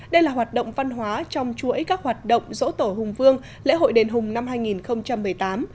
đây là hoạt động văn hóa trong chuỗi các hoạt động dỗ tổ hùng vương lễ hội đền hùng năm hai nghìn một mươi tám